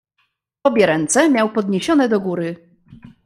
"Obie ręce miał podniesione do góry."